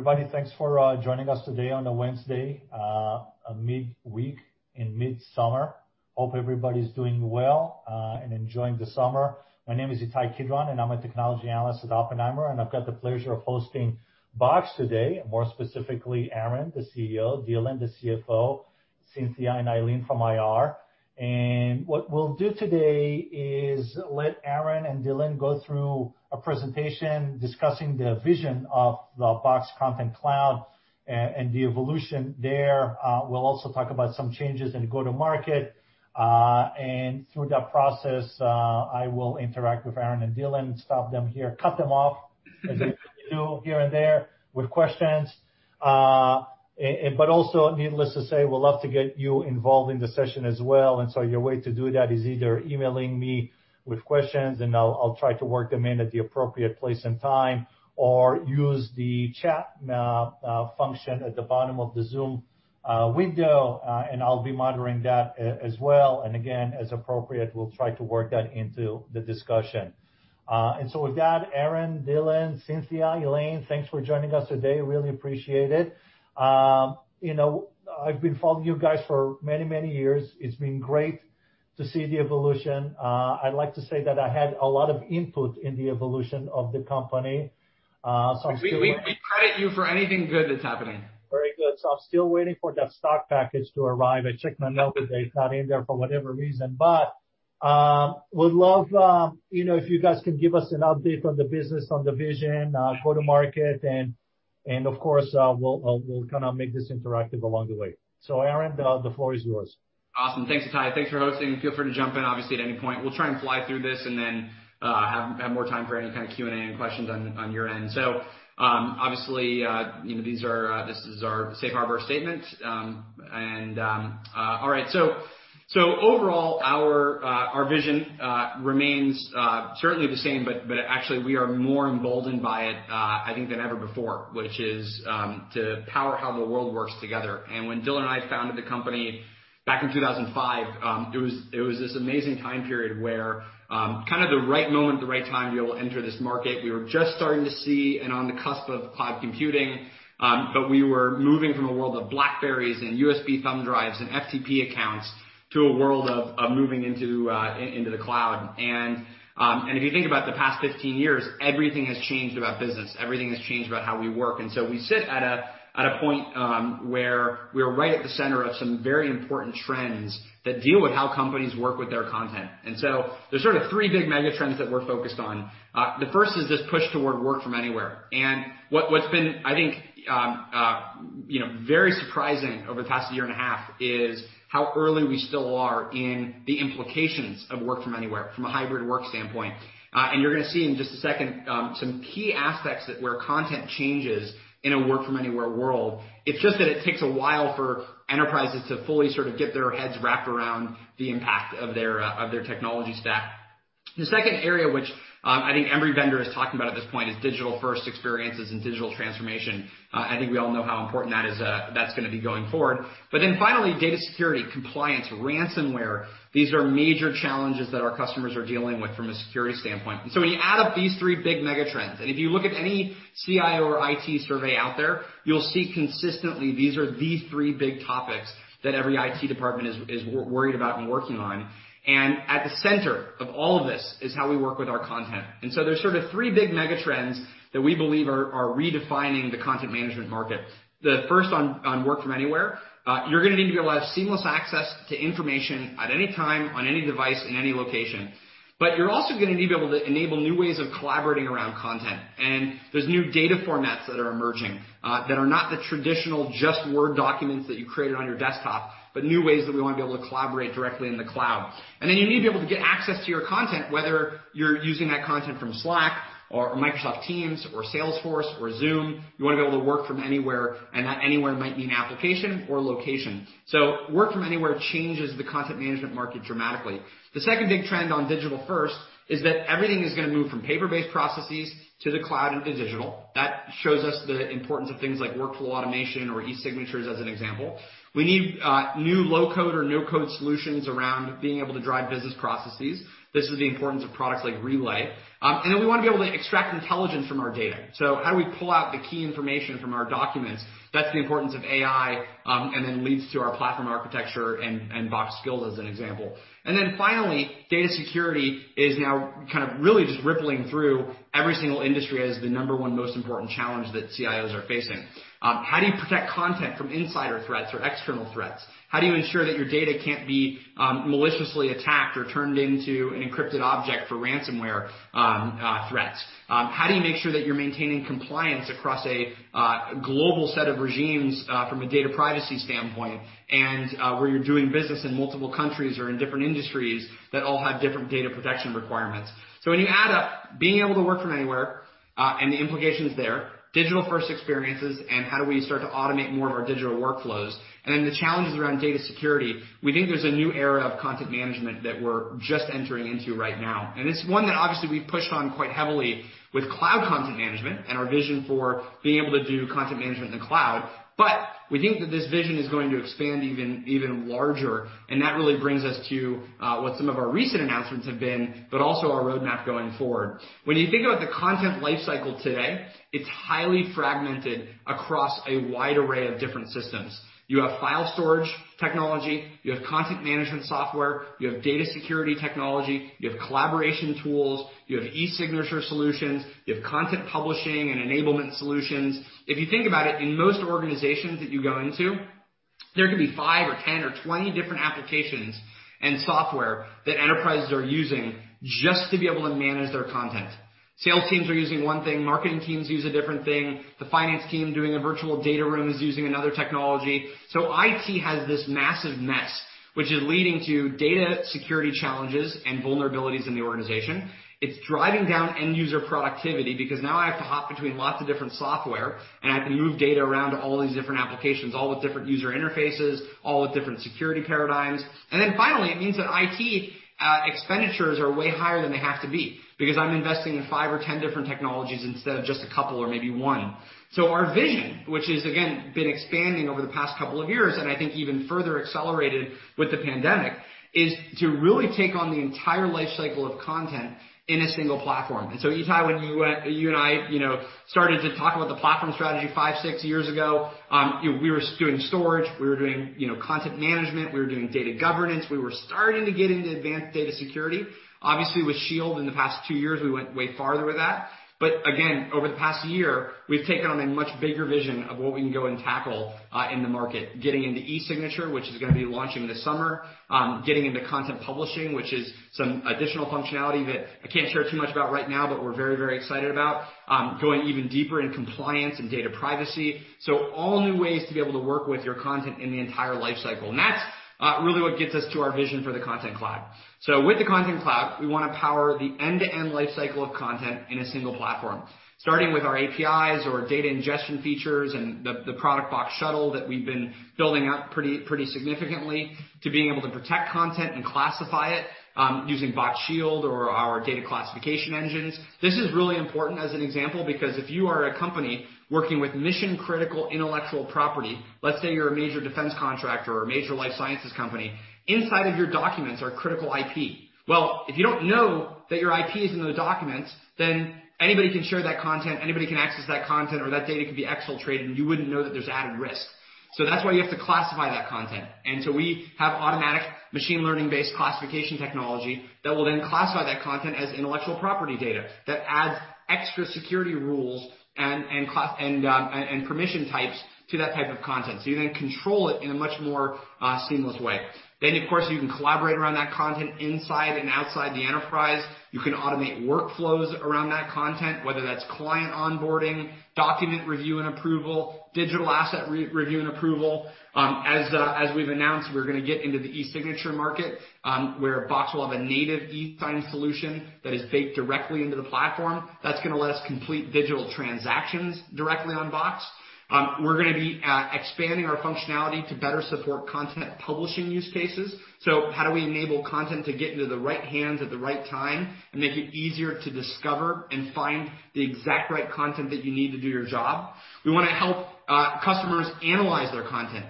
Everybody, thanks for joining us today on a Wednesday, a mid-week in mid-summer. Hope everybody's doing well and enjoying the summer. My name is Ittai Kidron. I'm a technology analyst at Oppenheimer. I've got the pleasure of hosting Box today, more specifically, Aaron, the CEO, Dylan, the CFO, Cynthia and Elaine from IR. What we'll do today is let Aaron and Dylan go through a presentation discussing the vision of the Box Content Cloud and the evolution there. We'll also talk about some changes in go-to-market. Through that process, I will interact with Aaron and Dylan and stop them here, cut them off, as I usually do here and there with questions. Also, needless to say, we'd love to get you involved in the session as well, and so your way to do that is either emailing me with questions and I'll try to work them in at the appropriate place and time, or use the chat function at the bottom of the Zoom window, and I'll be monitoring that as well. Again, as appropriate, we'll try to work that into the discussion. With that, Aaron, Dylan, Cynthia, Elaine, thanks for joining us today. Really appreciate it. I've been following you guys for many years. It's been great to see the evolution. I'd like to say that I had a lot of input in the evolution of the company. We credit you for anything good that's happening. Very good. I'm still waiting for that stock package to arrive. I checked my mailbox, it's not in there for whatever reason. Would love if you guys can give us an update on the business, on the vision, go to market, and of course, we'll make this interactive along the way. Aaron, the floor is yours. Awesome. Thanks, Ittai. Thanks for hosting. Feel free to jump in, obviously, at any point. We'll try and fly through this and then have more time for any kind of Q&A and questions on your end. Obviously, this is our safe harbor statement. Overall, our vision remains certainly the same, but actually we are more emboldened by it, I think, than ever before, which is to power how the world works together. When Dylan and I founded the company back in 2005, it was this amazing time period where kind of the right moment, the right time to be able to enter this market. We were just starting to see and on the cusp of cloud computing, but we were moving from a world of BlackBerrys and USB thumb drives and FTP accounts to a world of moving into the cloud. If you think about the past 15 years, everything has changed about business. Everything has changed about how we work. We sit at a point where we're right at the center of some very important trends that deal with how companies work with their content. There's sort of three big mega trends that we're focused on. The first is this push toward work from anywhere. What's been, I think, very surprising over the past year and a half, is how early we still are in the implications of work from anywhere from a hybrid work standpoint. You're going to see in just a second some key aspects that where content changes in a work from anywhere world. It's just that it takes a while for enterprises to fully sort of get their heads wrapped around the impact of their technology stack. The second area, which I think every vendor is talking about at this point, is digital-first experiences and digital transformation. Finally, data security, compliance, ransomware, these are major challenges that our customers are dealing with from a security standpoint. When you add up these three big mega trends, and if you look at any CIO or IT survey out there, you'll see consistently these are the three big topics that every IT department is worried about and working on. At the center of all of this is how we work with our content. There's sort of three big mega trends that we believe are redefining the content management market. The first on work from anywhere. You're going to need to be able to have seamless access to information at any time, on any device, in any location. You're also going to need to be able to enable new ways of collaborating around content. There's new data formats that are emerging, that are not the traditional just Word documents that you created on your desktop, but new ways that we want to be able to collaborate directly in the cloud. You need to be able to get access to your content, whether you're using that content from Slack or Microsoft Teams or Salesforce or Zoom. You want to be able to work from anywhere, and that anywhere might mean application or location. Work from anywhere changes the content management market dramatically. The second big trend on digital first is that everything is going to move from paper-based processes to the cloud and to digital. That shows us the importance of things like workflow automation or e-signatures, as an example. We need new low-code or no-code solutions around being able to drive business processes. This is the importance of products like Relay. Then we want to be able to extract intelligence from our data. How do we pull out the key information from our documents? That's the importance of AI, then leads to our platform architecture and Box Skills as an example. Finally, data security is now kind of really just rippling through every single industry as the number one most important challenge that CIOs are facing. How do you protect content from insider threats or external threats? How do you ensure that your data can't be maliciously attacked or turned into an encrypted object for ransomware threats? How do you make sure that you're maintaining compliance across a global set of regimes from a data privacy standpoint, and where you're doing business in multiple countries or in different industries that all have different data protection requirements? When you add up being able to work from anywhere, and the implications there, digital-first experiences, and how do we start to automate more of our digital workflows, and then the challenges around data security. We think there's a new era of content management that we're just entering into right now, and it's one that obviously we've pushed on quite heavily with cloud content management and our vision for being able to do content management in the cloud. We think that this vision is going to expand even larger, and that really brings us to what some of our recent announcements have been, but also our roadmap going forward. When you think about the content life cycle today, it's highly fragmented across a wide array of different systems. You have file storage technology, you have content management software, you have data security technology, you have collaboration tools, you have e-signature solutions, you have content publishing and enablement solutions. If you think about it, in most organizations that you go into, there could be five or 10 or 20 different applications and software that enterprises are using just to be able to manage their content. Sales teams are using one thing. Marketing teams use a different thing. The finance team doing a virtual data room is using another technology. IT has this massive mess, which is leading to data security challenges and vulnerabilities in the organization. It's driving down end user productivity because now I have to hop between lots of different software, and I have to move data around to all these different applications, all with different user interfaces, all with different security paradigms. Finally, it means that IT expenditures are way higher than they have to be because I'm investing in 5 or 10 different technologies instead of just a couple or maybe one. Our vision, which has, again, been expanding over the past couple of years, and I think even further accelerated with the pandemic, is to really take on the entire life cycle of content in a single platform. Ittai, when you and I started to talk about the platform strategy five, six years ago, we were doing storage, we were doing content management, we were doing data governance. We were starting to get into advanced data security. Obviously, with Shield in the past two years, we went way farther with that. Again, over the past year, we've taken on a much bigger vision of what we can go and tackle in the market, getting into e-signature, which is going to be launching this summer, getting into content publishing, which is some additional functionality that I can't share too much about right now, but we're very excited about. Going even deeper in compliance and data privacy. All new ways to be able to work with your content in the entire life cycle. That's really what gets us to our vision for the Content Cloud. With the Content Cloud, we want to power the end-to-end life cycle of content in a single platform, starting with our APIs or data ingestion features and the Box Shuttle that we've been building out pretty significantly to being able to protect content and classify it, using Box Shield or our data classification engines. This is really important as an example because if you are a company working with mission-critical intellectual property, let's say you're a major defense contractor or a major life sciences company, inside of your documents are critical IP. If you don't know that your IP is in those documents, then anybody can share that content, anybody can access that content, or that data could be exfiltrated, and you wouldn't know that there's added risk. That's why you have to classify that content. We have automatic machine learning-based classification technology that will then classify that content as intellectual property data that adds extra security rules and permission types to that type of content, so you then control it in a much more seamless way. Of course, you can collaborate around that content inside and outside the enterprise. You can automate workflows around that content, whether that's client onboarding, document review and approval, digital asset re- review and approval. As we've announced, we're going to get into the e-signature market, where Box will have a native e-signing solution that is baked directly into the platform. That's going to let us complete digital transactions directly on Box. We're going to be expanding our functionality to better support content publishing use cases. How do we enable content to get into the right hands at the right time and make it easier to discover and find the exact right content that you need to do your job? We want to help customers analyze their content.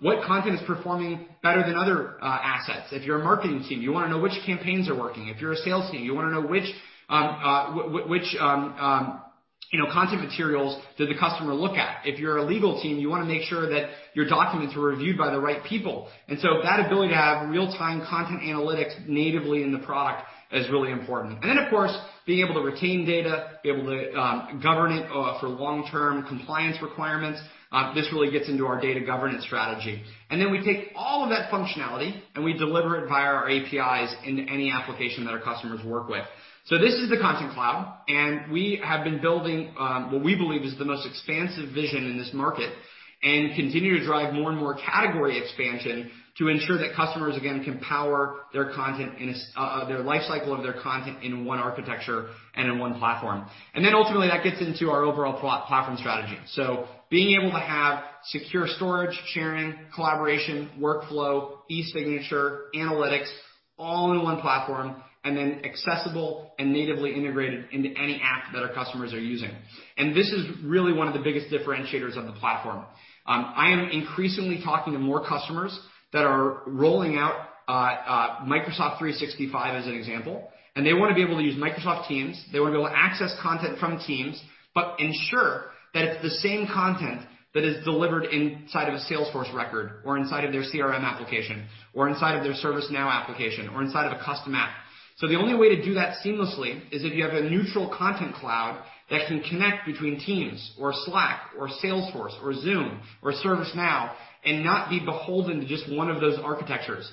What content is performing better than other assets? If you're a marketing team, you want to know which campaigns are working. If you're a sales team, you want to know which content materials did the customer look at. If you're a legal team, you want to make sure that your documents were reviewed by the right people. That ability to have real-time content analytics natively in the product is really important. Of course, being able to retain data, be able to govern it for long-term compliance requirements, this really gets into our data governance strategy. Then we take all of that functionality, and we deliver it via our APIs into any application that our customers work with. This is the Content Cloud, and we have been building what we believe is the most expansive vision in this market and continue to drive more and more category expansion to ensure that customers, again, can power their life cycle of their content in one architecture and in one platform. Ultimately, that gets into our overall platform strategy. Being able to have secure storage, sharing, collaboration, workflow, e-signature, analytics, all in one platform, and then accessible and natively integrated into any app that our customers are using. This is really one of the biggest differentiators of the platform. I am increasingly talking to more customers that are rolling out Microsoft 365, as an example, and they want to be able to use Microsoft Teams. They want to be able to access content from Teams, but ensure that it's the same content that is delivered inside of a Salesforce record or inside of their CRM application or inside of their ServiceNow application or inside of a custom app. The only way to do that seamlessly is if you have a neutral content cloud that can connect between Teams or Slack or Salesforce or Zoom or ServiceNow and not be beholden to just one of those architectures.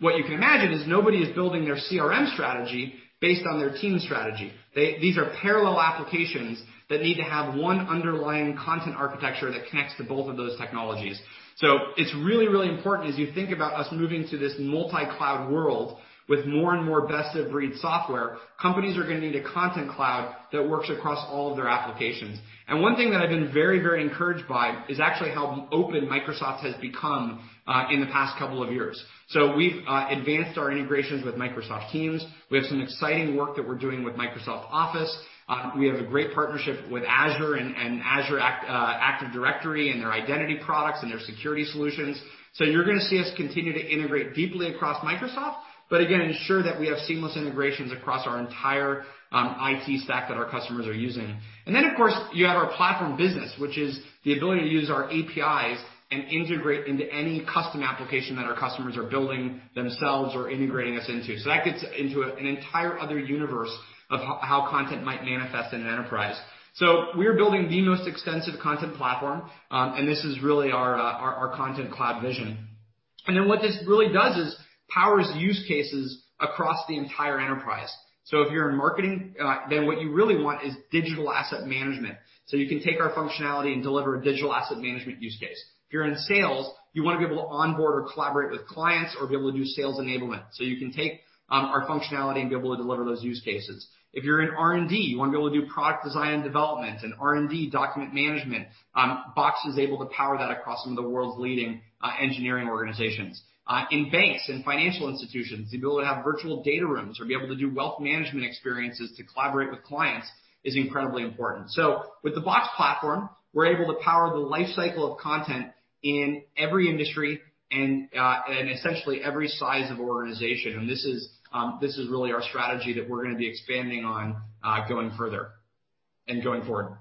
What you can imagine is nobody is building their CRM strategy based on their team strategy. These are parallel applications that need to have one underlying content architecture that connects to both of those technologies. It's really, really important as you think about us moving to this multi-cloud world with more and more best-of-breed software, companies are going to need a content cloud that works across all of their applications. One thing that I've been very, very encouraged by is actually how open Microsoft has become in the past couple of years. We've advanced our integrations with Microsoft Teams. We have some exciting work that we're doing with Microsoft Office. We have a great partnership with Azure and Azure Active Directory and their identity products and their security solutions. You're going to see us continue to integrate deeply across Microsoft, but again, ensure that we have seamless integrations across our entire IT stack that our customers are using. Then, of course, you have our platform business, which is the ability to use our APIs and integrate into any custom application that our customers are building themselves or integrating us into. That gets into an entire other universe of how content might manifest in an enterprise. We're building the most extensive content platform, and this is really our Content Cloud vision. What this really does is powers use cases across the entire enterprise. If you're in marketing, then what you really want is digital asset management. You can take our functionality and deliver a digital asset management use case. If you're in sales, you want to be able to onboard or collaborate with clients or be able to do sales enablement. You can take our functionality and be able to deliver those use cases. If you're in R&D, you want to be able to do product design and development and R&D document management. Box is able to power that across some of the world's leading engineering organizations. In banks and financial institutions, the ability to have virtual data rooms or be able to do wealth management experiences to collaborate with clients is incredibly important. With the Box platform, we're able to power the life cycle of content in every industry and essentially every size of organization and this is really our strategy that we're going to be expanding on going further and going forward.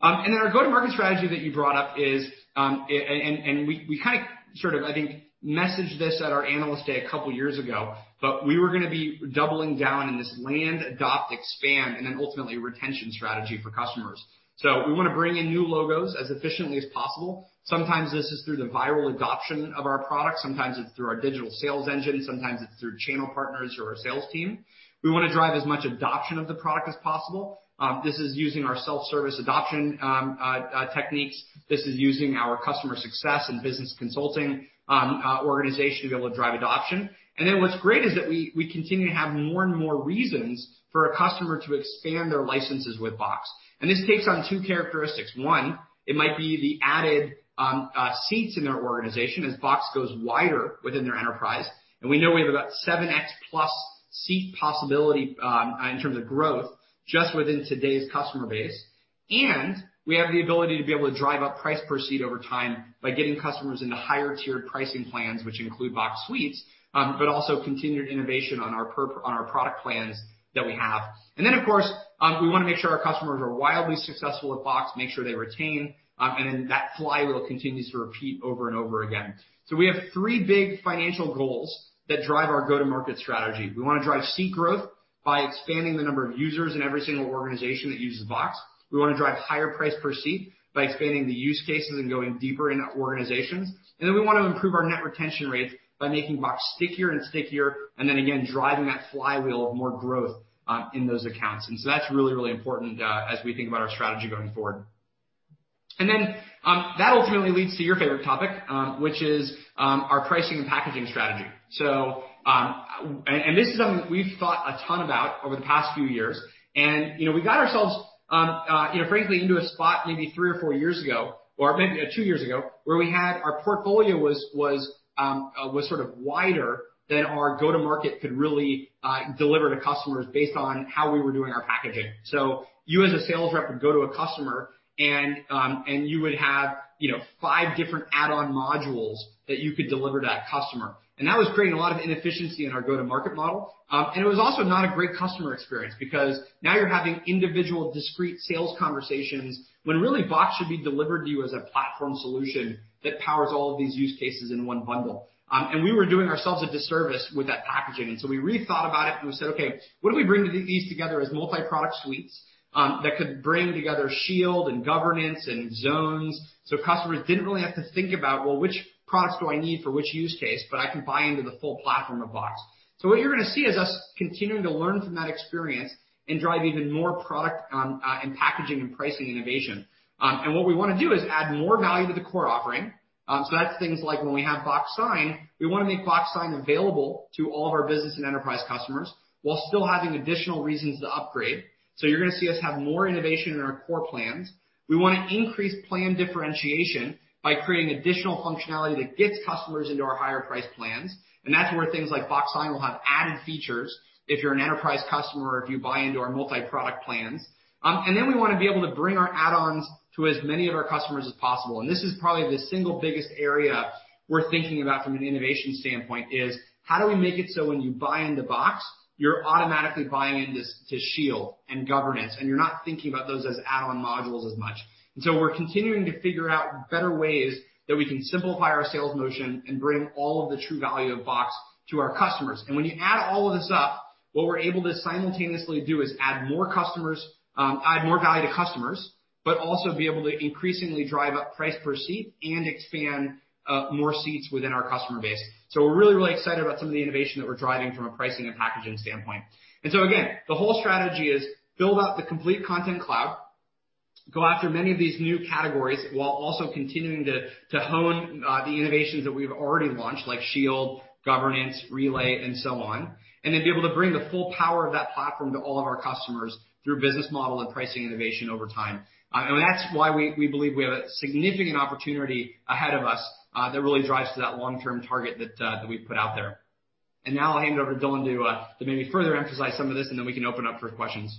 Our go-to-market strategy that you brought up is and we sort of, I think, messaged this at our Analyst Day a couple of years ago, but we were going to be doubling down in this land, adopt, expand, and then ultimately retention strategy for customers. We want to bring in new logos as efficiently as possible. Sometimes this is through the viral adoption of our product, sometimes it's through our digital sales engine, sometimes it's through channel partners or our sales team. We want to drive as much adoption of the product as possible. This is using our self-service adoption techniques. This is using our customer success and business consulting organization to be able to drive adoption. What's great is that we continue to have more and more reasons for a customer to expand their licenses with Box. This takes on two characteristics. One, it might be the added seats in their organization as Box goes wider within their enterprise, and we know we have about 7X plus seat possibility in terms of growth just within today's customer base. We have the ability to be able to drive up price per seat over time by getting customers into higher-tiered pricing plans, which include Box Suites, but also continued innovation on our product plans that we have. Of course, we want to make sure our customers are wildly successful with Box, make sure they retain, and then that flywheel continues to repeat over and over again. We have three big financial goals that drive our go-to-market strategy. We want to drive seat growth by expanding the number of users in every single organization that uses Box. We want to drive higher price per seat by expanding the use cases and going deeper into organizations. We want to improve our net retention rates by making Box stickier and stickier, and then again, driving that flywheel of more growth in those accounts. That's really, really important as we think about our strategy going forward. That ultimately leads to your favorite topic, which is our pricing and packaging strategy. This is something we've thought a ton about over the past few years. We got ourselves, frankly, into a spot maybe three or four years ago, or maybe two years ago, where our portfolio was sort of wider than our go-to-market could really deliver to customers based on how we were doing our packaging. You, as a sales rep, would go to a customer and you would have five different add-on modules that you could deliver to that customer. That was creating a lot of inefficiency in our go-to-market model, and it was also not a great customer experience because now you're having individual discrete sales conversations when really Box should be delivered to you as a platform solution that powers all of these use cases in one bundle. We were doing ourselves a disservice with that packaging. We rethought about it and we said, "Okay, what if we bring these together as multi-product suites that could bring together Shield and Governance and Zones?" Customers didn't really have to think about, well, which products do I need for which use case, but I can buy into the full platform of Box. What you're going to see is us continuing to learn from that experience and drive even more product and packaging and pricing innovation. What we want to do is add more value to the core offering. That's things like when we have Box Sign, we want to make Box Sign available to all of our business and enterprise customers while still having additional reasons to upgrade. You're going to see us have more innovation in our core plans. We want to increase plan differentiation by creating additional functionality that gets customers into our higher-priced plans. That's where things like Box Sign will have added features if you're an enterprise customer or if you buy into our multi-product plans. We want to be able to bring our add-ons to as many of our customers as possible. This is probably the single biggest area we're thinking about from an innovation standpoint, is how do we make it so when you buy into Box, you're automatically buying into Shield and Governance, and you're not thinking about those as add-on modules as much. We're continuing to figure out better ways that we can simplify our sales motion and bring all of the true value of Box to our customers. When you add all of this up. What we're able to simultaneously do is add more value to customers, but also be able to increasingly drive up price per seat and expand more seats within our customer base. We're really, really excited about some of the innovation that we're driving from a pricing and packaging standpoint. Again, the whole strategy is build out the complete Content Cloud, go after many of these new categories, while also continuing to hone the innovations that we've already launched, like Shield, Governance, Relay, and so on, then be able to bring the full power of that platform to all of our customers through business model and pricing innovation over time. That's why we believe we have a significant opportunity ahead of us, that really drives to that long-term target that we've put out there. Now I'll hand it over to Dylan to maybe further emphasize some of this, then we can open up for questions.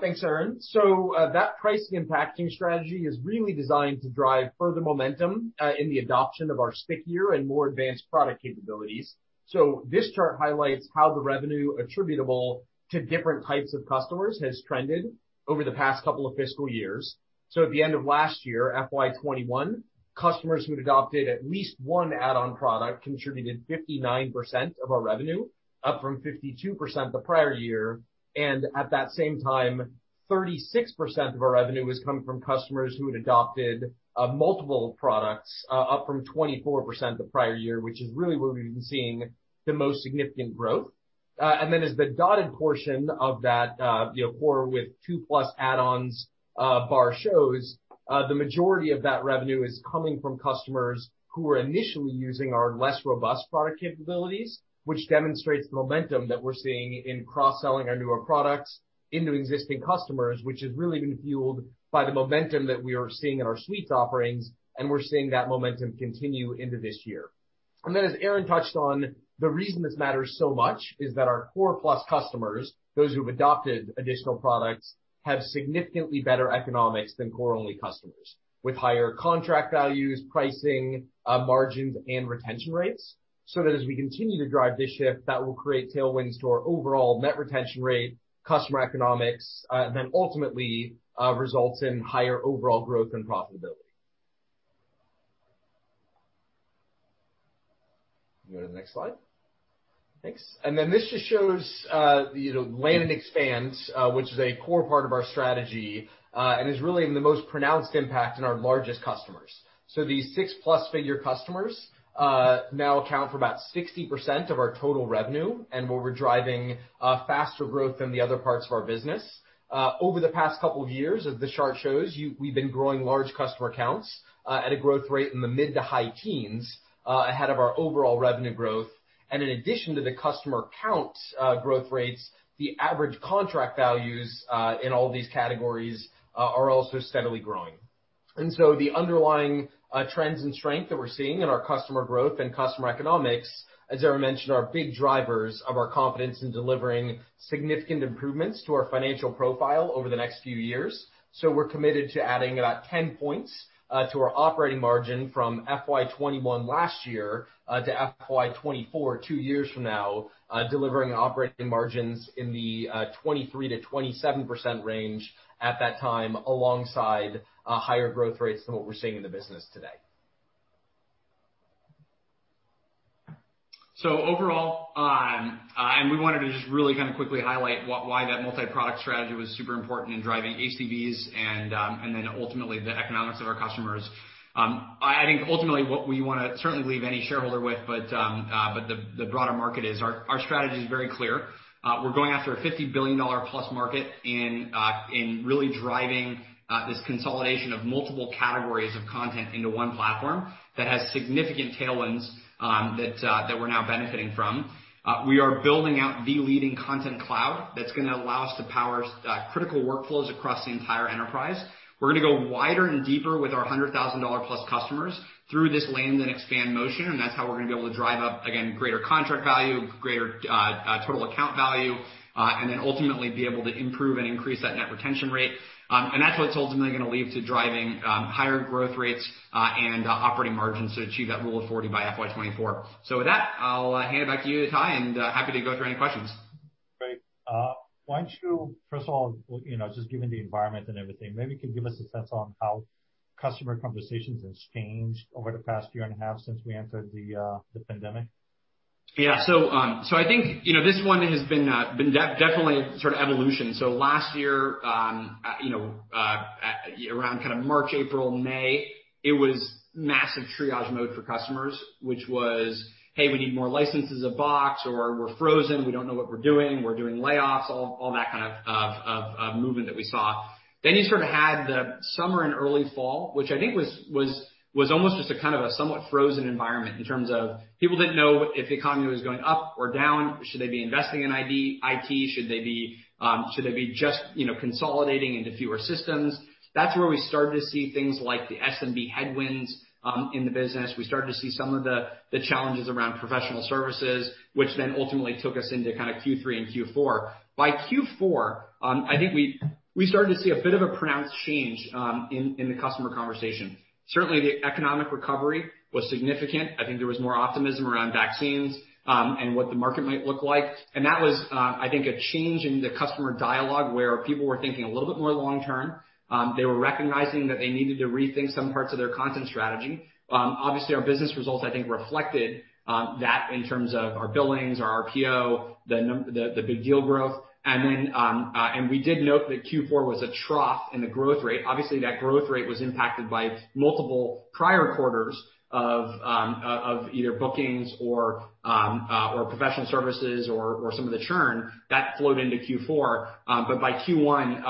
Thanks, Aaron. That pricing and packaging strategy is really designed to drive further momentum in the adoption of our stickier and more advanced product capabilities. This chart highlights how the revenue attributable to different types of customers has trended over the past couple of fiscal years. At the end of last year, FY 2021, customers who'd adopted at least one add-on product contributed 59% of our revenue, up from 52% the prior year. At that same time, 36% of our revenue was coming from customers who had adopted multiple products, up from 24% the prior year, which is really where we've been seeing the most significant growth. Then as the dotted portion of that core with two-plus add-ons bar shows, the majority of that revenue is coming from customers who are initially using our less robust product capabilities, which demonstrates the momentum that we're seeing in cross-selling our newer products into existing customers, which has really been fueled by the momentum that we are seeing in our suites offerings, and we're seeing that momentum continue into this year. Then as Aaron touched on, the reason this matters so much is that our core-plus customers, those who've adopted additional products, have significantly better economics than core-only customers, with higher contract values, pricing, margins, and retention rates. That as we continue to drive this shift, that will create tailwinds to our overall net retention rate, customer economics, then ultimately, results in higher overall growth and profitability. You can go to the next slide. Thanks. This just shows land and expand, which is a core part of our strategy, and is really the most pronounced impact in our largest customers. These six plus figure customers now account for about 60% of our total revenue and what we're driving faster growth than the other parts of our business. Over the past couple of years, as the chart shows, we've been growing large customer counts at a growth rate in the mid to high teens, ahead of our overall revenue growth. In addition to the customer count growth rates, the average contract values in all these categories are also steadily growing. The underlying trends and strength that we're seeing in our customer growth and customer economics, as Aaron mentioned, are big drivers of our confidence in delivering significant improvements to our financial profile over the next few years. We're committed to adding about 10 points to our operating margin from FY 2021 last year to FY 2024, two years from now, delivering operating margins in the 23%-27% range at that time, alongside higher growth rates than what we're seeing in the business today. Overall, and we wanted to just really quickly highlight why that multi-product strategy was super important in driving ACVs and then ultimately the economics of our customers. I think ultimately what we want to certainly leave any shareholder with, but the broader market is, our strategy is very clear. We're going after a $50 billion+ market in really driving this consolidation of multiple categories of content into one platform that has significant tailwinds that we're now benefiting from. We are building out the leading Content Cloud that's going to allow us to power critical workflows across the entire enterprise. We're going to go wider and deeper with our $100,000+ customers through this land and expand motion, and that's how we're going to be able to drive up, again, greater contract value, greater total account value, and then ultimately be able to improve and increase that net retention rate. That's what's ultimately going to lead to driving higher growth rates and operating margins to achieve that Rule of 40 by FY 2024. With that, I'll hand it back to you, Ittai, and happy to go through any questions. Great. Why don't you, first of all, just given the environment and everything, maybe you can give us a sense on how customer conversations has changed over the past year and a half since we entered the pandemic? Yeah. I think this one has been definitely a sort of evolution. Last year, around March, April, May, it was massive triage mode for customers, which was, "Hey, we need more licenses of Box," or, "We're frozen. We don't know what we're doing. We're doing layoffs." All that kind of movement that we saw. You sort of had the summer and early fall, which I think was almost just a kind of a somewhat frozen environment in terms of people didn't know if the economy was going up or down. Should they be investing in IT? Should they be just consolidating into fewer systems? That's where we started to see things like the SMB headwinds in the business. We started to see some of the challenges around professional services, which then ultimately took us into Q3 and Q4. By Q4, I think we started to see a bit of a pronounced change in the customer conversation. Certainly, the economic recovery was significant. I think there was more optimism around vaccines and what the market might look like. That was, I think, a change in the customer dialogue where people were thinking a little bit more long term. They were recognizing that they needed to rethink some parts of their content strategy. Obviously, our business results, I think, reflected that in terms of our billings, our RPO, the big deal growth. We did note that Q4 was a trough in the growth rate. Obviously, that growth rate was impacted by multiple prior quarters of either bookings or professional services or some of the churn that flowed into Q4. By Q1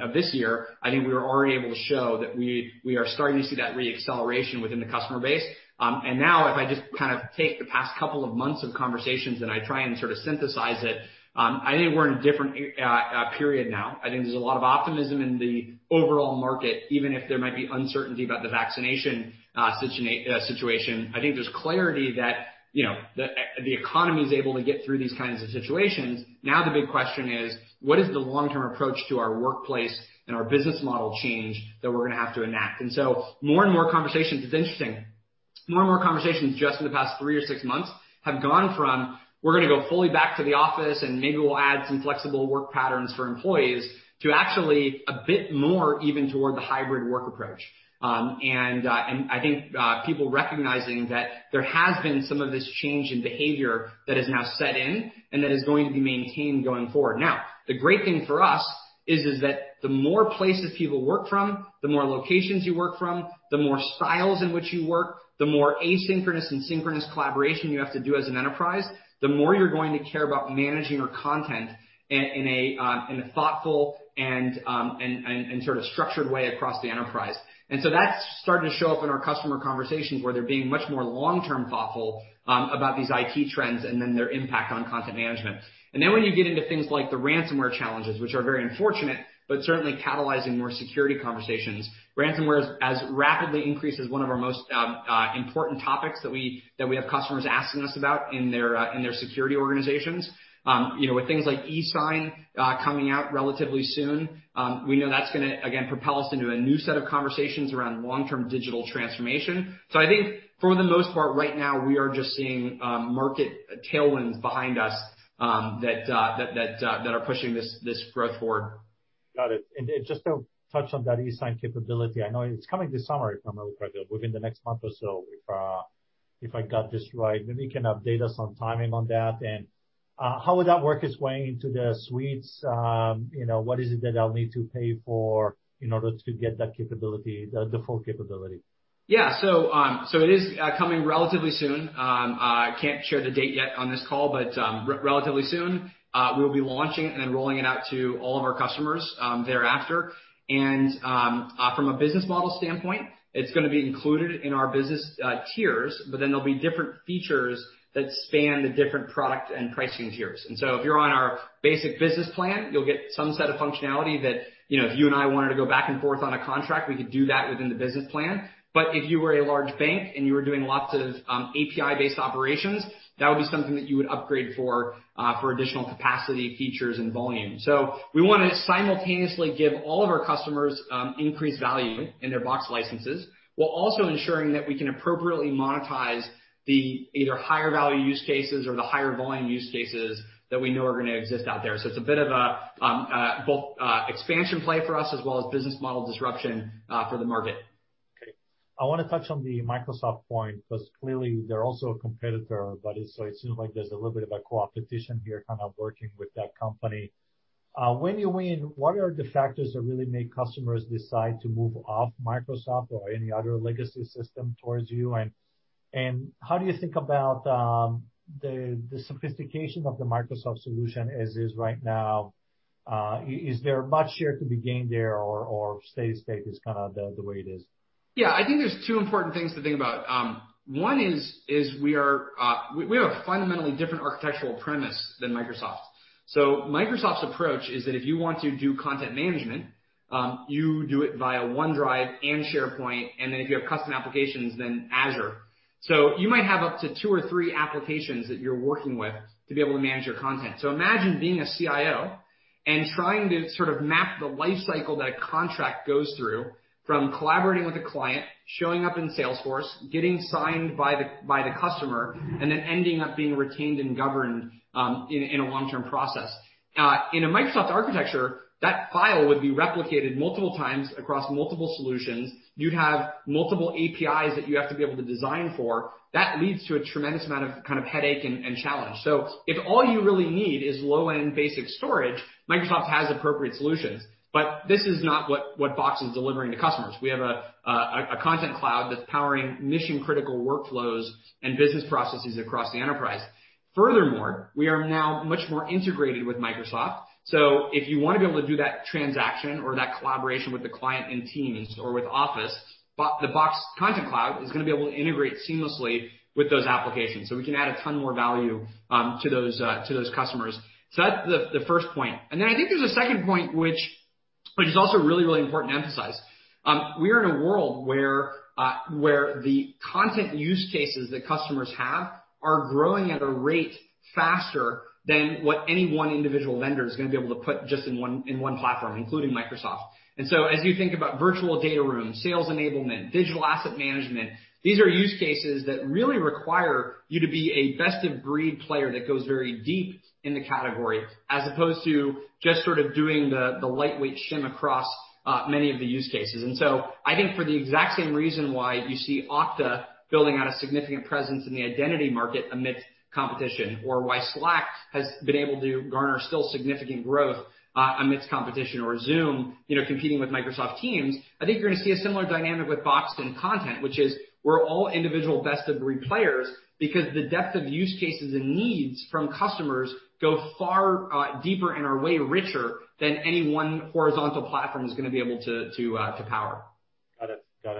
of this year, I think we were already able to show that we are starting to see that re-acceleration within the customer base. Now, if I just take the past couple of months of conversations and I try and synthesize it, I think we're in a different period now. I think there's a lot of optimism in the overall market, even if there might be uncertainty about the vaccination situation. I think there's clarity that the economy is able to get through these kinds of situations. Now the big question is, what is the long-term approach to our workplace and our business model change that we're going to have to enact? More and more conversations just in the past three or six months have gone from, "We're going to go fully back to the office, and maybe we'll add some flexible work patterns for employees," to actually a bit more even toward the hybrid work approach. I think people recognizing that there has been some of this change in behavior that has now set in and that is going to be maintained going forward. The great thing for us is that the more places people work from, the more locations you work from, the more styles in which you work, the more asynchronous and synchronous collaboration you have to do as an enterprise, the more you're going to care about managing your content in a thoughtful and sort of structured way across the enterprise. That's starting to show up in our customer conversations, where they're being much more long-term thoughtful about these IT trends and then their impact on content management. When you get into things like the ransomware challenges, which are very unfortunate, but certainly catalyzing more security conversations. Ransomware has rapidly increased as one of our most important topics that we have customers asking us about in their security organizations. With things like eSign coming out relatively soon, we know that's going to, again, propel us into a new set of conversations around long-term digital transformation. I think for the most part right now, we are just seeing market tailwinds behind us that are pushing this growth forward. Got it. Just to touch on that eSign capability, I know it's coming this summer, if I'm really quite good, within the next month or so, if I got this right. Maybe you can update us on timing on that and how would that work its way into the suites? What is it that I'll need to pay for in order to get that full capability? It is coming relatively soon. I can't share the date yet on this call, but relatively soon. We'll be launching it and then rolling it out to all of our customers thereafter. From a business model standpoint, it's going to be included in our business tiers, but then there'll be different features that span the different product and pricing tiers. If you're on our basic business plan, you'll get some set of functionality that if you and I wanted to go back and forth on a contract, we could do that within the business plan. If you were a large bank and you were doing lots of API-based operations, that would be something that you would upgrade for additional capacity, features, and volume. We want to simultaneously give all of our customers increased value in their Box licenses, while also ensuring that we can appropriately monetize the either higher value use cases or the higher volume use cases that we know are going to exist out there. It's a bit of both expansion play for us as well as business model disruption for the market. I want to touch on the Microsoft point because clearly they're also a competitor, but it seems like there's a little bit of a co-opetition here, kind of working with that company. When you win, what are the factors that really make customers decide to move off Microsoft or any other legacy system towards you? How do you think about the sophistication of the Microsoft solution as is right now? Is there much share to be gained there or steady state is kind of the way it is? Yeah. I think there's two important things to think about. One is we have a fundamentally different architectural premise than Microsoft. Microsoft's approach is that if you want to do content management, you do it via OneDrive and SharePoint, and then if you have custom applications, then Azure. You might have up to two or three applications that you're working with to be able to manage your content. Imagine being a CIO and trying to sort of map the life cycle that a contract goes through, from collaborating with a client, showing up in Salesforce, getting signed by the customer, and then ending up being retained and governed in a long-term process. In a Microsoft architecture, that file would be replicated multiple times across multiple solutions. You'd have multiple APIs that you have to be able to design for. That leads to a tremendous amount of headache and challenge. If all you really need is low-end basic storage, Microsoft has appropriate solutions, but this is not what Box is delivering to customers. We have a Box Content Cloud that's powering mission-critical workflows and business processes across the enterprise. Furthermore, we are now much more integrated with Microsoft. If you want to be able to do that transaction or that collaboration with the client in Teams or with Office, the Box Content Cloud is going to be able to integrate seamlessly with those applications. We can add a ton more value to those customers. That's the first point. Then I think there's a second point which is also really important to emphasize. We are in a world where the content use cases that customers have are growing at a rate faster than what any one individual vendor is going to be able to put just in one platform, including Microsoft. As you think about virtual data rooms, sales enablement, digital asset management, these are use cases that really require you to be a best-of-breed player that goes very deep in the category, as opposed to just sort of doing the lightweight shim across many of the use cases. I think for the exact same reason why you see Okta building out a significant presence in the identity market amidst competition, or why Slack has been able to garner still significant growth amidst competition or Zoom competing with Microsoft Teams, I think you're going to see a similar dynamic with Box and content, which is we're all individual best-of-breed players because the depth of use cases and needs from customers go far deeper and are way richer than any one horizontal platform is going to be able to power. Got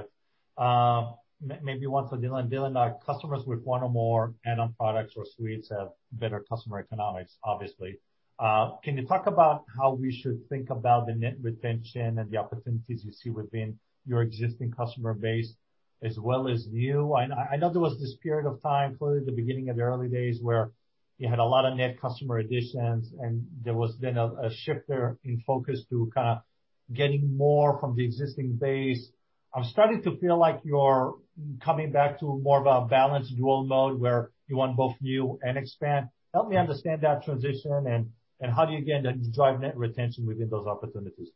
it. Maybe one for Dylan. Dylan, customers with one or more add-on products or suites have better customer economics, obviously. Can you talk about how we should think about the net retention and the opportunities you see within your existing customer base as well as new? I know there was this period of time, clearly the beginning of the early days, where you had a lot of net customer additions, and there was then a shift there in focus to kind of getting more from the existing base. I'm starting to feel like you're coming back to more of a balanced dual mode where you want both new and expand. Help me understand that transition and how do you again drive net retention within those opportunities?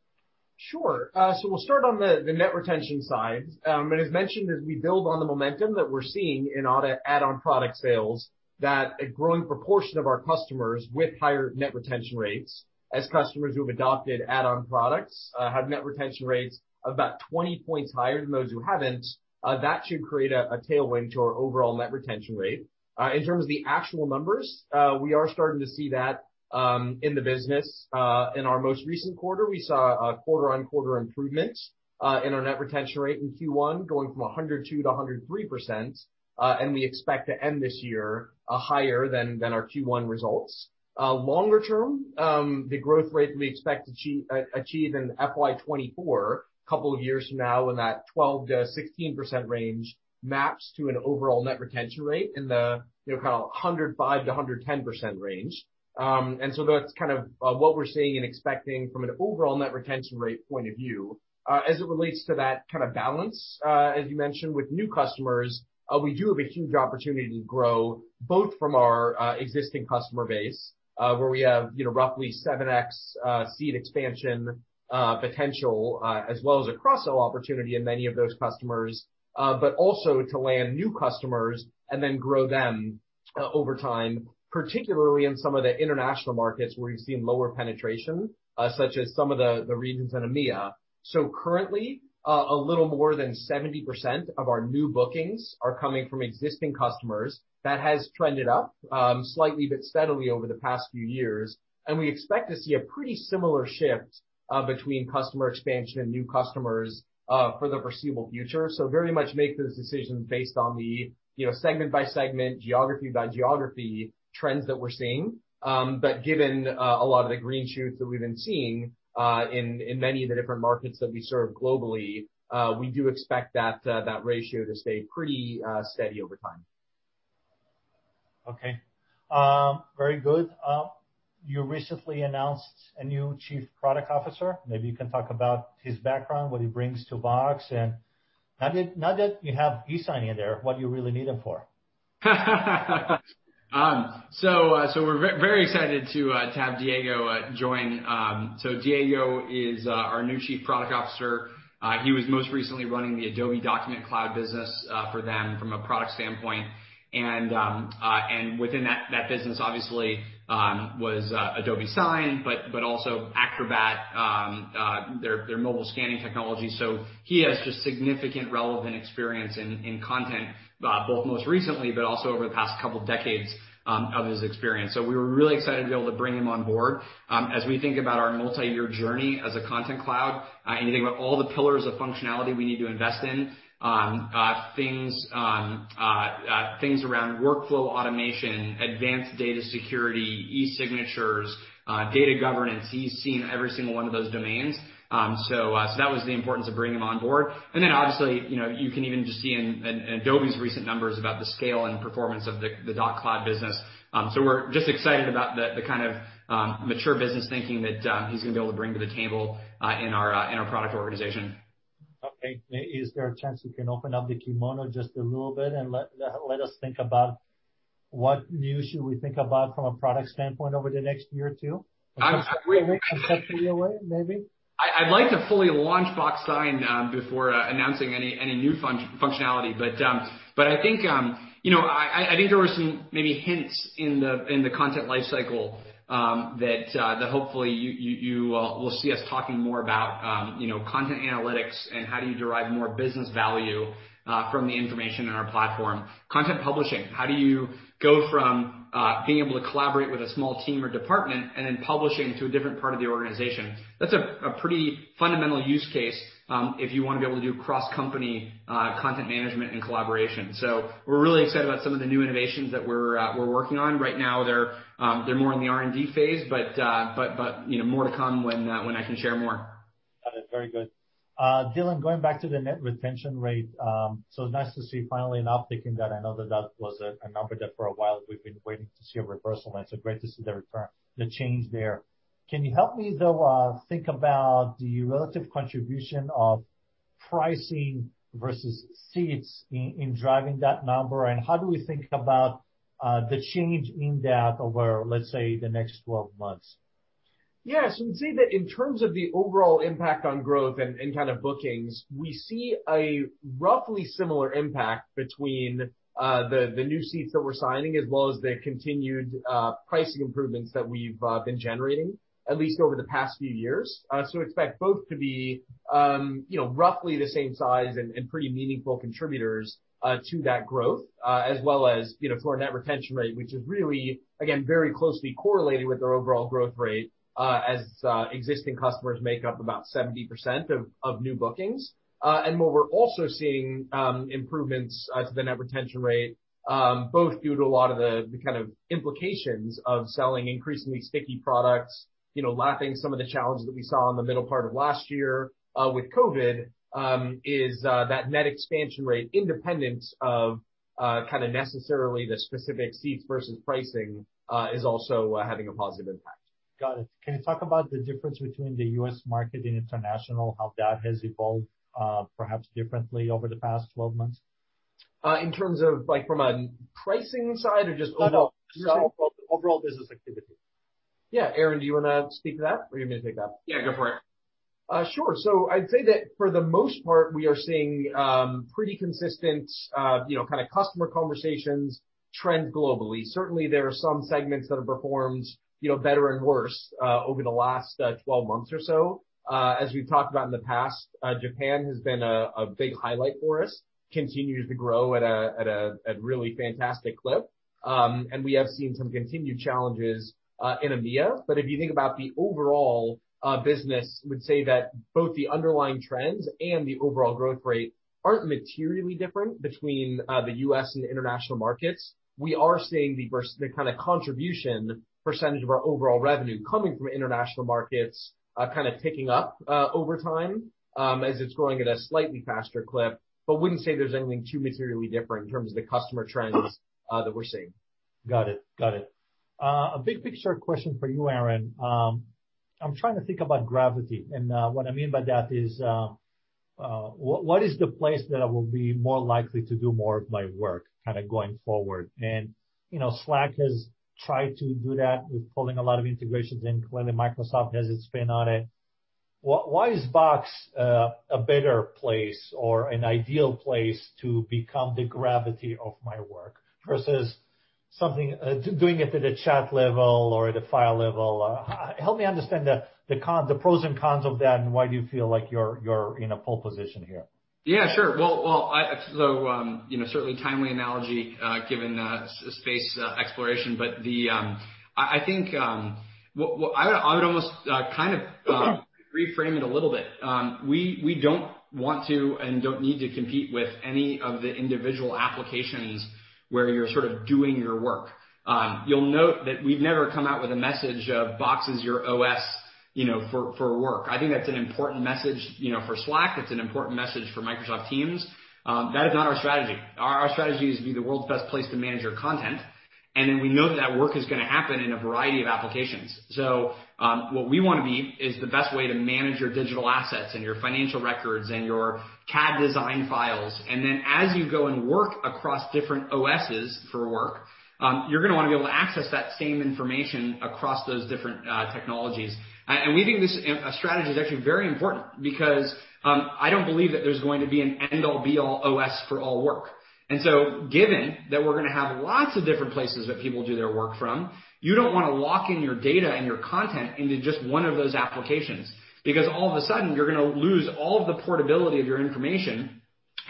Sure. We'll start on the net retention side. As mentioned, as we build on the momentum that we're seeing in add-on product sales, that a growing proportion of our customers with higher net retention rates, as customers who have adopted add-on products, have net retention rates about 20 points higher than those who haven't. That should create a tailwind to our overall net retention rate. In terms of the actual numbers, we are starting to see that in the business. In our most recent quarter, we saw a quarter-on-quarter improvement in our net retention rate in Q1, going from 102% to 103%, and we expect to end this year higher than our Q1 results. Longer term, the growth rate that we expect to achieve in FY 2024, a couple of years from now, in that 12%-16% range, maps to an overall net retention rate in the kind of 105%-110% range. That's kind of what we're seeing and expecting from an overall net retention rate point of view. As it relates to that kind of balance, as you mentioned, with new customers, we do have a huge opportunity to grow, both from our existing customer base, where we have roughly 7x seat expansion potential, as well as a cross-sell opportunity in many of those customers. Also to land new customers and then grow them over time, particularly in some of the international markets where we've seen lower penetration, such as some of the regions in EMEA. Currently, a little more than 70% of our new bookings are coming from existing customers. That has trended up, slightly but steadily over the past few years. We expect to see a pretty similar shift between customer expansion and new customers for the foreseeable future. Very much make those decisions based on the segment by segment, geography by geography trends that we're seeing. Given a lot of the green shoots that we've been seeing in many of the different markets that we serve globally, we do expect that ratio to stay pretty steady over time. Okay. Very good. You recently announced a new Chief Product Officer. Maybe you can talk about his background, what he brings to Box, and now that you have e-signing there, what you really need him for. We're very excited to have Diego join. Diego is our new Chief Product Officer. He was most recently running the Adobe Document Cloud business for them from a product standpoint. Within that business, obviously, was Adobe Sign, but also Acrobat, their mobile scanning technology. He has just significant relevant experience in content, both most recently, but also over the past couple of decades of his experience. We were really excited to be able to bring him on board. As we think about our multi-year journey as a Content Cloud, anything about all the pillars of functionality we need to invest in, things around workflow automation, advanced data security, e-signatures, data governance, he's seen every single one of those domains. That was the importance of bringing him on board. Obviously, you can even just see in Adobe's recent numbers about the scale and performance of the Document Cloud business. We're just excited about the kind of mature business thinking that he's going to be able to bring to the table in our product organization. Okay. Is there a chance you can open up the kimono just a little bit and let us think about what new should we think about from a product standpoint over the next year or two? A year away, maybe? I'd like to fully launch Box Sign before announcing any new functionality. I think there were some, maybe hints in the content life cycle that hopefully you will see us talking more about content analytics and how do you derive more business value from the information in our platform. Content publishing, how do you go from being able to collaborate with a small team or department and then publishing to a different part of the organization? That's a pretty fundamental use case if you want to be able to do cross-company content management and collaboration. We're really excited about some of the new innovations that we're working on. Right now, they're more in the R&D phase, but more to come when I can share more. Got it. Very good. Dylan, going back to the net retention rate, nice to see finally an uptick in that. I know that that was a number that for a while we've been waiting to see a reversal, it's great to see the return, the change there. Can you help me, though, think about the relative contribution of pricing versus seats in driving that number, and how do we think about the change in that over, let's say, the next 12 months? We'd say that in terms of the overall impact on growth and kind of bookings, we see a roughly similar impact between the new seats that we're signing, as well as the continued pricing improvements that we've been generating, at least over the past few years. Expect both to be roughly the same size and pretty meaningful contributors to that growth. As well as for our net retention rate, which is really, again, very closely correlated with our overall growth rate, as existing customers make up about 70% of new bookings. What we're also seeing improvements to the net retention rate, both due to a lot of the kind of implications of selling increasingly sticky products, lapping some of the challenges that we saw in the middle part of last year with COVID, is that net expansion rate, independent of kind of necessarily the specific seats versus pricing, is also having a positive impact. Got it. Can you talk about the difference between the U.S. market and international, how that has evolved perhaps differently over the past 12 months? In terms of from a pricing side or just overall? Just overall business activity. Yeah. Aaron, do you want to speak to that, or you want me to take that? Yeah, go for it. Sure. I'd say that for the most part, we are seeing pretty consistent customer conversations trend globally. Certainly, there are some segments that have performed better and worse over the last 12 months or so. As we've talked about in the past, Japan has been a big highlight for us, continues to grow at a really fantastic clip. We have seen some continued challenges in EMEA. If you think about the overall business, would say that both the underlying trends and the overall growth rate aren't materially different between the U.S. and international markets. We are seeing the kind of contribution % of our overall revenue coming from international markets kind of ticking up over time, as it's growing at a slightly faster clip, but wouldn't say there's anything too materially different in terms of the customer trends that we're seeing. Got it. A big picture question for you, Aaron. I'm trying to think about gravity, and what I mean by that is, what is the place that I will be more likely to do more of my work going forward? Slack has tried to do that with pulling a lot of integrations in. Clearly, Microsoft has its spin on it. Why is Box a better place or an ideal place to become the gravity of my work versus doing it at a chat level or at a file level? Help me understand the pros and cons of that, and why do you feel like you're in a pole position here? Yeah, sure. Well, certainly timely analogy given space exploration. I would almost kind of reframe it a little bit. We don't want to and don't need to compete with any of the individual applications where you're sort of doing your work. You'll note that we've never come out with a message of Box is your OS for work. I think that's an important message for Slack. It's an important message for Microsoft Teams. That is not our strategy. Our strategy is to be the world's best place to manage your content, and then we know that work is going to happen in a variety of applications. What we want to be is the best way to manage your digital assets and your financial records and your CAD design files. As you go and work across different OSs for work, you're going to want to be able to access that same information across those different technologies. We think this strategy is actually very important because I don't believe that there's going to be an end-all be-all OS for all work. Given that we're going to have lots of different places that people do their work from, you don't want to lock in your data and your content into just one of those applications, because all of a sudden you're going to lose all of the portability of your information,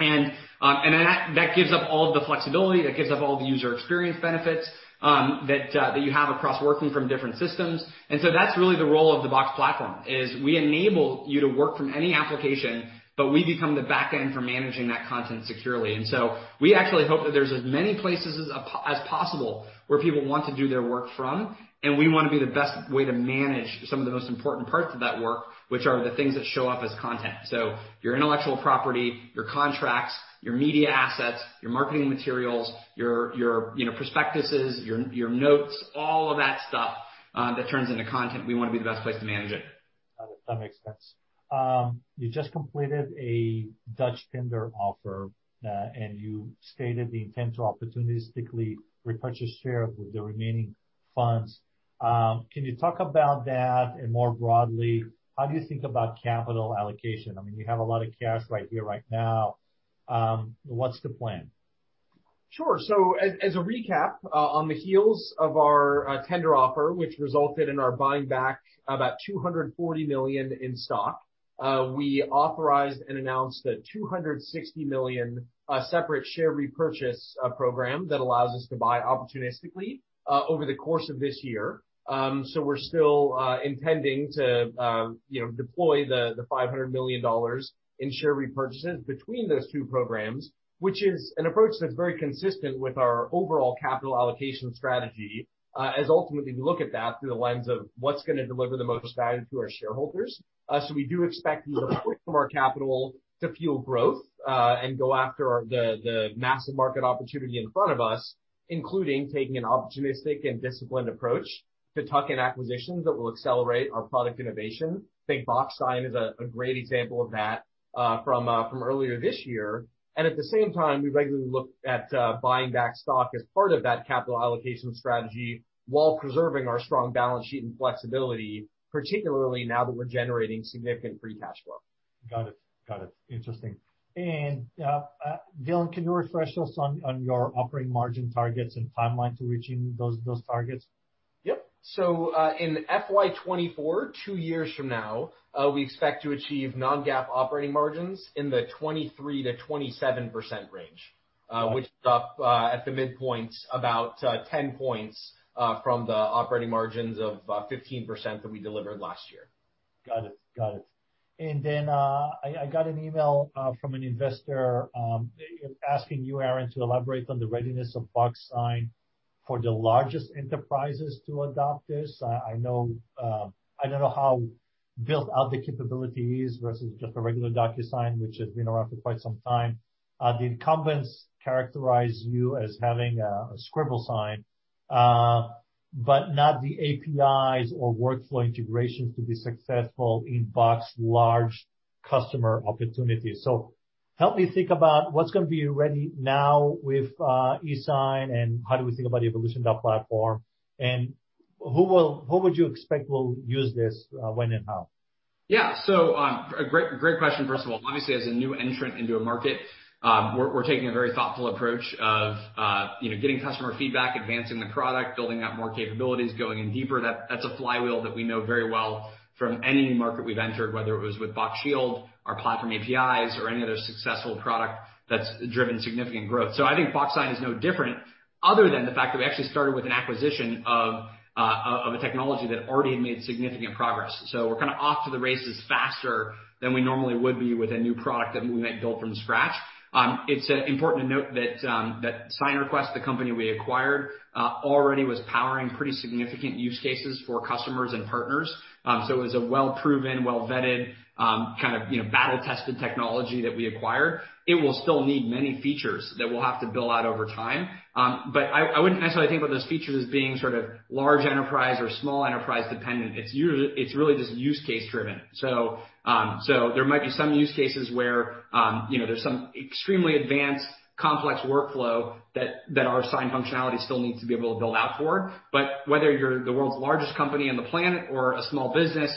and that gives up all of the flexibility, that gives up all the user experience benefits that you have across working from different systems. That's really the role of the Box platform, is we enable you to work from any application, but we become the back end for managing that content securely. We actually hope that there's as many places as possible where people want to do their work from, and we want to be the best way to manage some of the most important parts of that work, which are the things that show up as content. Your intellectual property, your contracts, your media assets, your marketing materials, your prospectuses, your notes, all of that stuff that turns into content, we want to be the best place to manage it. That makes sense. You just completed a Dutch tender offer, and you stated the intent to opportunistically repurchase share with the remaining funds. Can you talk about that? More broadly, how do you think about capital allocation? You have a lot of cash right here, right now. What's the plan? Sure. As a recap, on the heels of our Dutch tender offer, which resulted in our buying back about $240 million in stock, we authorized and announced a $260 million separate share repurchase program that allows us to buy opportunistically over the course of this year. We're still intending to deploy the $500 million in share repurchases between those two programs, which is an approach that's very consistent with our overall capital allocation strategy, as ultimately we look at that through the lens of what's going to deliver the most value to our shareholders. We do expect to deploy some of our capital to fuel growth and go after the massive market opportunity in front of us, including taking an opportunistic and disciplined approach to tuck-in acquisitions that will accelerate our product innovation. Think Box Sign is a great example of that from earlier this year. At the same time, we regularly look at buying back stock as part of that capital allocation strategy while preserving our strong balance sheet and flexibility, particularly now that we're generating significant free cash flow. Got it. Interesting. Dylan, can you refresh us on your operating margin targets and timeline to reaching those targets? Yep. In FY 2024, two years from now, we expect to achieve non-GAAP operating margins in the 23%-27% range, which is up at the midpoint about 10 points from the operating margins of 15% that we delivered last year. Got it. Then I got an email from an investor asking you, Aaron, to elaborate on the readiness of Box Sign for the largest enterprises to adopt this. I don't know how built-out the capability is versus just a regular DocuSign, which has been around for quite some time. The incumbents characterize you as having a Scribble Sign, not the APIs or workflow integrations to be successful in Box large customer opportunities. Help me think about what's going to be ready now with eSign, and how do we think about the evolution of that platform, and who would you expect will use this, when and how? Great question, first of all. Obviously, as a new entrant into a market, we're taking a very thoughtful approach of getting customer feedback, advancing the product, building out more capabilities, going in deeper. That's a flywheel that we know very well from any new market we've entered, whether it was with Box Shield, our platform APIs, or any other successful product that's driven significant growth. I think Box Sign is no different other than the fact that we actually started with an acquisition of a technology that already had made significant progress. We're kind of off to the races faster than we normally would be with a new product that we might build from scratch. It's important to note that SignRequest, the company we acquired, already was powering pretty significant use cases for customers and partners. It was a well-proven, well-vetted, kind of battle-tested technology that we acquired. It will still need many features that we'll have to build out over time. I wouldn't necessarily think about those features as being sort of large enterprise or small enterprise dependent. It's really just use case driven. There might be some use cases where there's some extremely advanced, complex workflow that our Sign functionality still needs to be able to build out for. Whether you're the world's largest company on the planet or a small business,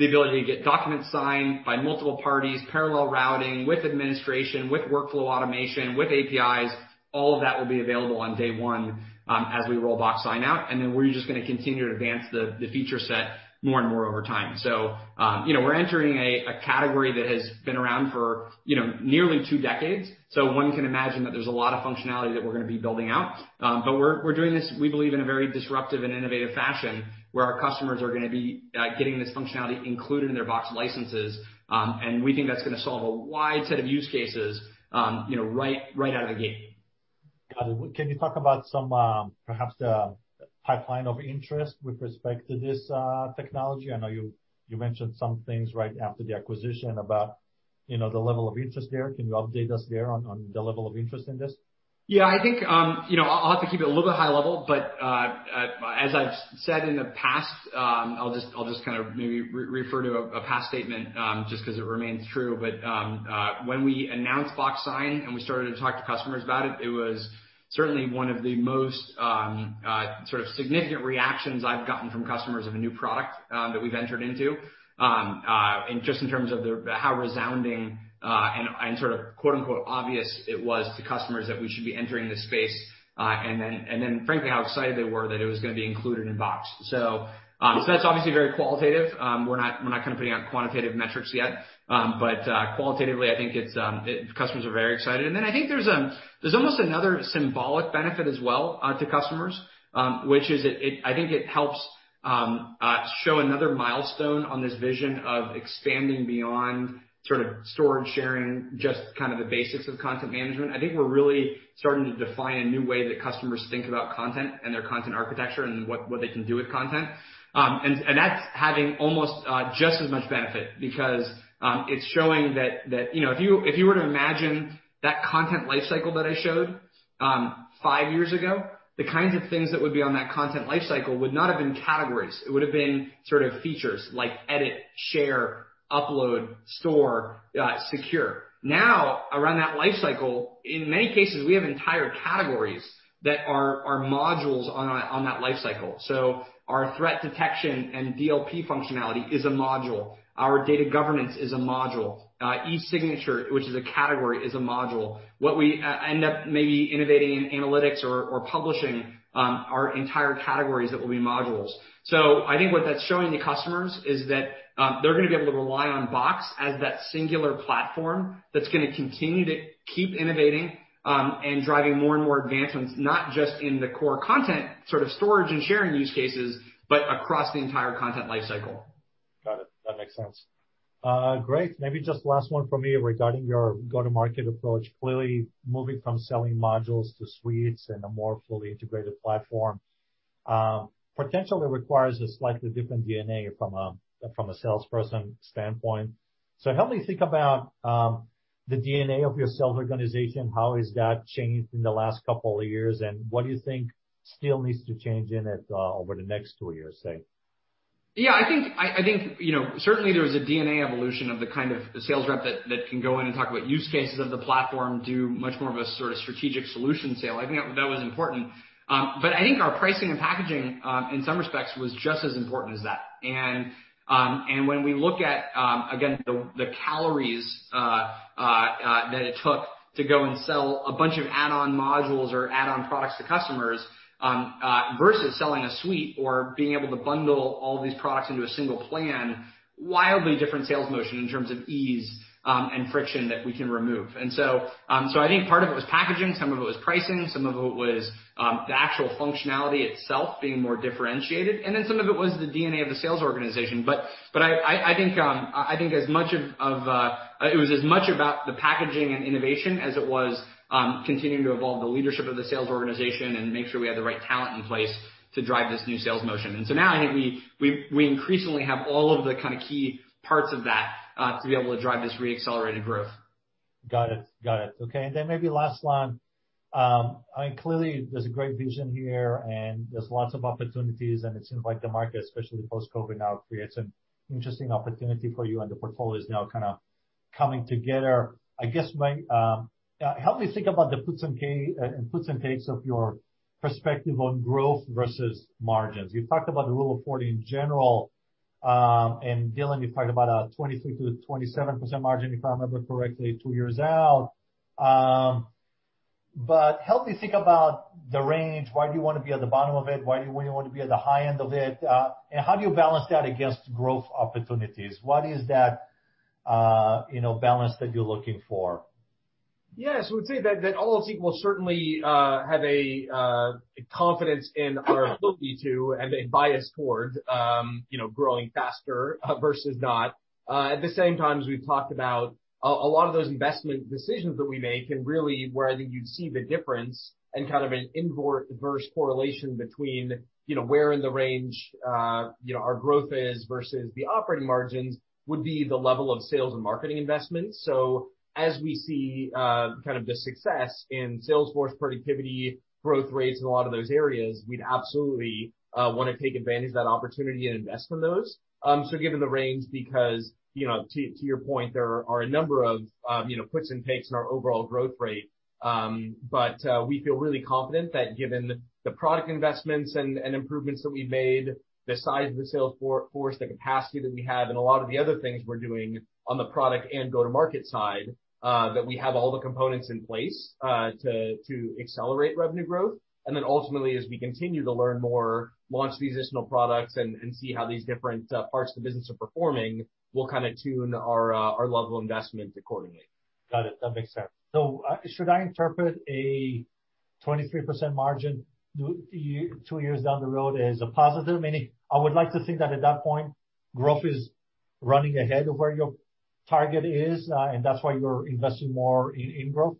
the ability to get documents signed by multiple parties, parallel routing with administration, with workflow automation, with APIs, all of that will be available on day 1 as we roll Box Sign out, and then we're just going to continue to advance the feature set more and more over time. We're entering a category that has been around for nearly two decades, one can imagine that there's a lot of functionality that we're going to be building out. We're doing this, we believe, in a very disruptive and innovative fashion, where our customers are going to be getting this functionality included in their Box licenses. We think that's going to solve a wide set of use cases right out of the gate. Got it. Can you talk about some perhaps the pipeline of interest with respect to this technology? I know you mentioned some things right after the acquisition about the level of interest there. Can you update us there on the level of interest in this? I think, I'll have to keep it a little bit high level, but as I've said in the past, I'll just kind of maybe refer to a past statement, just because it remains true. When we announced Box Sign and we started to talk to customers about it was certainly one of the most sort of significant reactions I've gotten from customers of a new product that we've entered into, just in terms of how resounding and sort of quote unquote obvious it was to customers that we should be entering this space, and then frankly, how excited they were that it was going to be included in Box. That's obviously very qualitative. We're not kind of putting out quantitative metrics yet. Qualitatively, I think customers are very excited. Then I think there's almost another symbolic benefit as well to customers, which is, I think it helps show another milestone on this vision of expanding beyond sort of storage sharing, just kind of the basics of content management. I think we're really starting to define a new way that customers think about content and their content architecture and what they can do with content. That's having almost just as much benefit because it's showing that if you were to imagine that content life cycle that I showed 5 years ago, the kinds of things that would be on that content life cycle would not have been categories. It would've been sort of features like edit, share, upload, store, secure. Around that life cycle, in many cases, we have entire categories that are modules on that life cycle. Our threat detection and DLP functionality is a module. Our data governance is a module. e-signature, which is a category, is a module. What we end up maybe innovating in analytics or publishing are entire categories that will be modules. I think what that's showing to customers is that they're going to be able to rely on Box as that singular platform that's going to continue to keep innovating, and driving more and more advancements, not just in the core content, sort of storage and sharing use cases, but across the entire content life cycle. Got it. That makes sense. Great. Maybe just last one from me regarding your go-to-market approach. Clearly, moving from selling modules to suites and a more fully integrated platform, potentially requires a slightly different DNA from a salesperson standpoint. Help me think about the DNA of your sales organization. How has that changed in the last couple of years, and what do you think still needs to change in it over the next two years, say? Yeah. I think, certainly there was a DNA evolution of the kind of sales rep that can go in and talk about use cases of the platform, do much more of a sort of strategic solution sale. I think that was important. I think our pricing and packaging, in some respects, was just as important as that. When we look at, again, the calories that it took to go and sell a bunch of add-on modules or add-on products to customers, versus selling a suite or being able to bundle all these products into a single plan, wildly different sales motion in terms of ease and friction that we can remove. I think part of it was packaging, some of it was pricing, some of it was the actual functionality itself being more differentiated, then some of it was the DNA of the sales organization. I think it was as much about the packaging and innovation as it was continuing to evolve the leadership of the sales organization and make sure we had the right talent in place to drive this new sales motion. Now I think we increasingly have all of the kind of key parts of that to be able to drive this re-accelerated growth. Got it. Okay. Maybe last one. Clearly there's a great vision here and there's lots of opportunities, and it seems like the market, especially post-COVID now, creates an interesting opportunity for you, and the portfolio is now kind of coming together. Help me think about the puts and takes of your perspective on growth versus margins. You talked about the Rule of 40 in general. Dylan, you talked about a 23%-27% margin, if I remember correctly, two years out. Help me think about the range. Why do you want to be at the bottom of it? Why do you want to be at the high end of it? How do you balance that against growth opportunities? What is that balance that you're looking for? Yes, I would say that all else equal, certainly have a confidence in our ability to, and a bias towards growing faster versus not. At the same time, as we've talked about, a lot of those investment decisions that we make and really where I think you'd see the difference and kind of an inverse correlation between where in the range our growth is versus the operating margins, would be the level of sales and marketing investments. As we see the success in sales force productivity, growth rates in a lot of those areas, we'd absolutely want to take advantage of that opportunity and invest in those. Given the range, because to your point, there are a number of puts and takes in our overall growth rate. We feel really confident that given the product investments and improvements that we've made, the size of the sales force, the capacity that we have, and a lot of the other things we're doing on the product and go-to-market side, that we have all the components in place to accelerate revenue growth. Ultimately, as we continue to learn more, launch these additional products and see how these different parts of the business are performing, we'll kind of tune our level of investment accordingly. Got it. That makes sense. Should I interpret a 23% margin two years down the road as a positive? Meaning, I would like to think that at that point, growth is running ahead of where your target is, and that's why you're investing more in growth.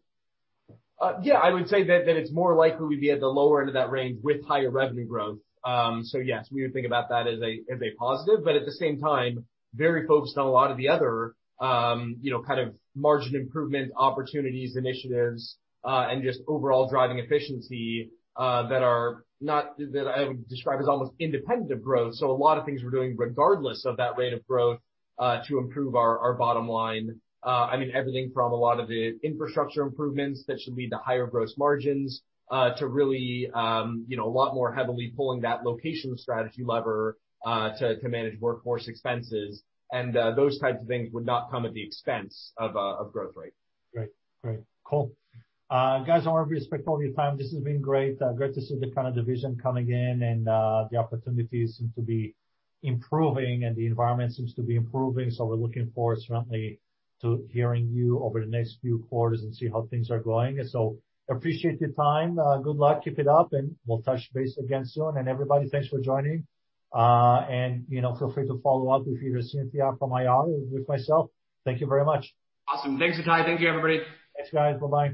Yeah, I would say that it's more likely we'd be at the lower end of that range with higher revenue growth. Yes, we would think about that as a positive, but at the same time, very focused on a lot of the other kind of margin improvement opportunities, initiatives, and just overall driving efficiency, that I would describe as almost independent of growth. A lot of things we're doing, regardless of that rate of growth, to improve our bottom line. Everything from a lot of the infrastructure improvements that should lead to higher gross margins, to really a lot more heavily pulling that location strategy lever, to manage workforce expenses. Those types of things would not come at the expense of growth rate. Great. Cool. Guys, I want to respect all your time. This has been great. Great to see the kind of vision coming in and the opportunities seem to be improving and the environment seems to be improving. We're looking forward certainly to hearing you over the next few quarters and see how things are going. Appreciate your time. Good luck. Keep it up and we'll touch base again soon. Everybody, thanks for joining. Feel free to follow up with either Cynthia from IR or with myself. Thank you very much. Awesome. Thanks, Ittai. Thank you, everybody. Thanks, guys. Bye-bye.